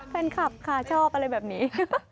แฟนคลับค่ะชอบอะไรแบบนี้